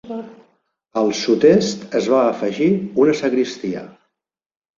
Al sud-est es va afegir una sagristia.